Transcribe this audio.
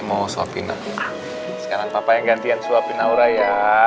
oh suapina sekarang papa yang gantian suapinaura ya